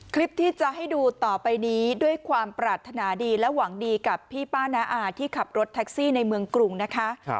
คลิปที่จะให้ดูต่อไปนี้ด้วยความปรารถนาดีและหวังดีกับพี่ป้าน้าอาที่ขับรถแท็กซี่ในเมืองกรุงนะคะ